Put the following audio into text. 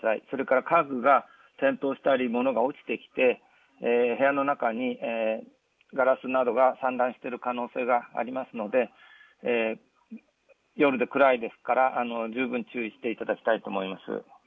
それから家具が転倒したり物が落ちてきて部屋の中にガラスなどが散乱している可能性がありますので夜で暗いですから十分注意していただきたいと思います。